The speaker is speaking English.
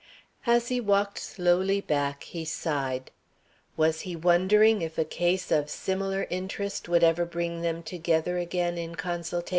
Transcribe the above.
As he walked slowly back, he sighed. Was he wondering if a case of similar interest would ever bring them together again in consultation?